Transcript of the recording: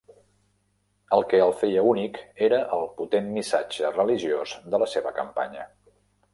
El que el feia únic era el potent missatge religiós de la seva campanya.